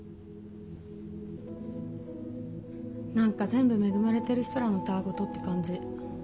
何か全部恵まれてる人らのたわ言って感じ。